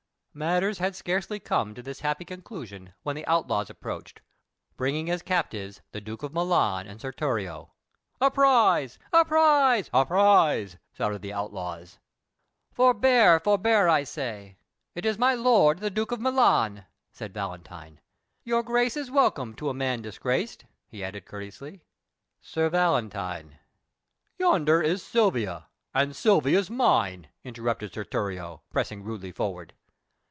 Matters had scarcely come to this happy conclusion, when the outlaws approached, bringing as captives the Duke of Milan and Sir Thurio. "A prize! a prize! a prize!" shouted the outlaws. "Forbear, forbear, I say! It is my lord, the Duke of Milan," said Valentine. "Your Grace is welcome to a man disgraced," he added courteously. "Sir Valentine!" "Yonder is Silvia, and Silvia's mine!" interrupted Sir Thurio, pressing rudely forward.